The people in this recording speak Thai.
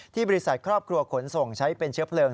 บริษัทครอบครัวขนส่งใช้เป็นเชื้อเพลิง